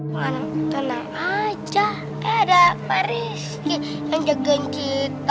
man tenang aja kayak ada pak rizky yang jagain kita